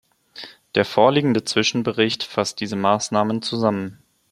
Der vorliegende Zwischenbericht fasst diese Maßnahmen zusammen.